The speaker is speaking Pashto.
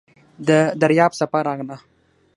د دریاب څپه راغله .